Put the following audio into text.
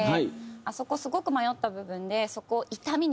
あそこすごく迷った部分でそこ「痛みに」。